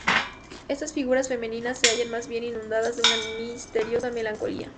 Estas figuras femeninas se hallan más bien inundadas de una misteriosa melancolía.